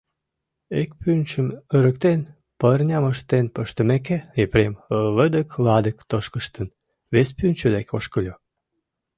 Ик пӱнчым эрыктен, пырням ыштен пыштымеке, Епрем, лыдык-ладык тошкыштын, вес пӱнчӧ дек ошкыльо.